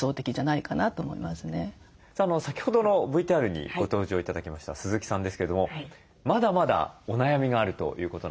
先ほどのＶＴＲにご登場頂きました鈴木さんですけどもまだまだお悩みがあるということなんです。